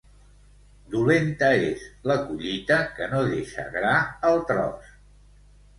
Dolenta és la collita que no deixa gra al tros.